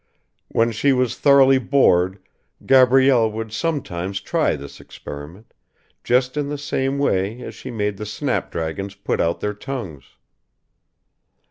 When she was thoroughly bored Gabrielle would sometimes try this experiment, just in the same way as she made the snapdragons put out their tongues.